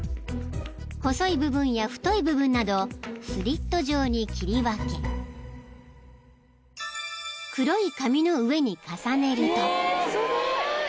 ［細い部分や太い部分などスリット状に切り分け黒い紙の上に重ねると］